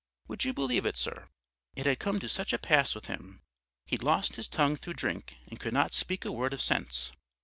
Would you believe it, sir? It had come to such a pass with him, he'd lost his tongue through drink and could not speak a word of sense.